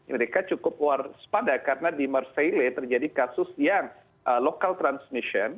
mereka cukup waspada karena di merceile terjadi kasus yang local transmission